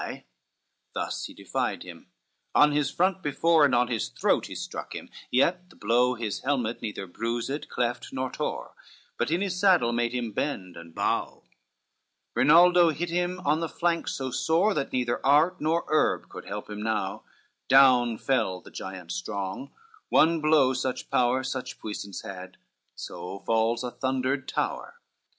CIII Thus he defied him, on his front before, And on his throat he struck him, yet the blow His helmet neither bruised, cleft nor tore, But in his saddle made him bend and bow; Rinaldo hit him on the flank so sore, That neither art nor herb could help him now; Down fell the giant strong, one blow such power, Such puissance had; so falls a thundered tower.